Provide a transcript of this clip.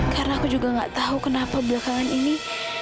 karena aku juga enggak tahu kenapa belakangan ini